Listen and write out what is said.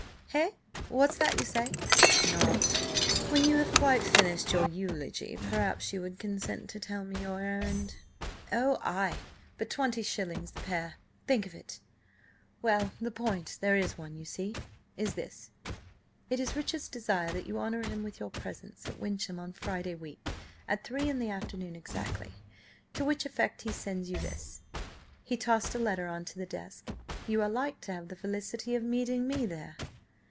"Hey? What's that you say?" "Nought. When you have quite finished your eulogy, perhaps you would consent to tell me your errand?" "Oh, ay!–but twenty shillings the pair! Think of it! ... Well, the point–there is one, you see–is this: it is Richard's desire that you honour him with your presence at Wyncham on Friday week, at three in the afternoon exactly. To which effect he sends you this." He tossed a letter on to the desk. "You are like to have the felicity of meeting me there."